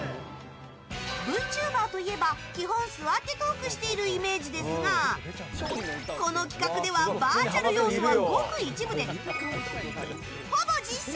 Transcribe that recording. ＶＴｕｂｅｒといえば基本、座ってトークしているイメージですがこの企画ではバーチャル要素はごく一部で、ほぼ実写！